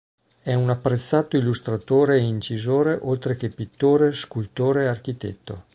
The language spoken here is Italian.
È un apprezzato illustratore e incisore oltre che pittore, scultore e architetto.